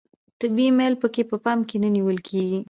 طبیعي میل پکې په پام کې نه نیول کیږي.